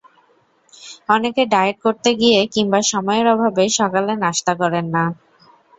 অনেকে ডায়েট করতে গিয়ে কিংবা সময়ের অভাবে সকালে নাশতা করেন না।